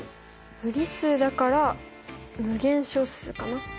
無理数だから無限小数かな。